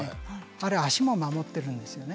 あれ足も守ってるんですよね。